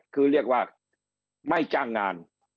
คือเรียกว่าไม่จ้างงาน